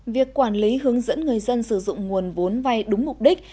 việc quản lý hướng dẫn người dân sử dụng nguồn vốn vay đúng mục đích